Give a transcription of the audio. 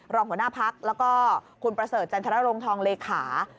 รองหัวหน้าพักแล้วก็คุณประเสริฐจันทรรงทองเลขา